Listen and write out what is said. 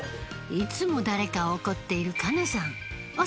いつも誰かを怒っている加奈さん若っ。